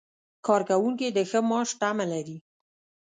کارکوونکي د ښه معاش تمه لري.